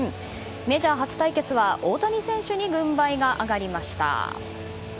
メジャー初対決は大谷選手に軍配が上がりました。